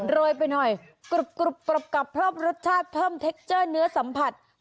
โรยไปหน่อยกรุบกรอบเพิ่มรสชาติเพิ่มเทคเจอร์เนื้อสัมผัส